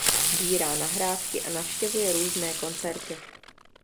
Sbírá nahrávky a navštěvuje různé koncerty.